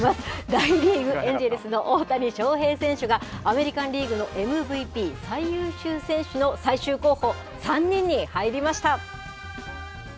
大リーグ・エンジェルスの大谷翔平選手が、アメリカンリーグのＭＶＰ・最優秀選手の最終候補３人に入りました。